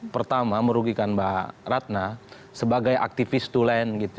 pertama merugikan mbak ratna sebagai aktivis to land